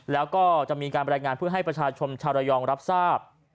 แล้วก็จะมีการบรรยายงานเพื่อให้ประชาชนชาวระยองรับทราบ